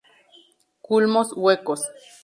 Culmos huecos.